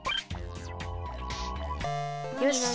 よし。